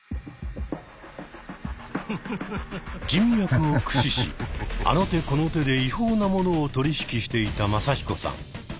人脈を駆使しあの手この手で違法なものを取り引きしていたマサヒコさん。